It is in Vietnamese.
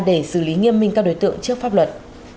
để xử lý nghiêm minh các đối tượng trước pháp luật